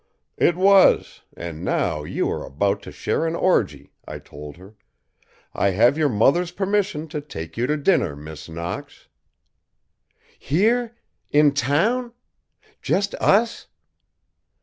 "It was, and now you are about to share an orgy," I told her. "I have your mother's permission to take you to dinner, Miss Knox." "Here? In town? Just us?"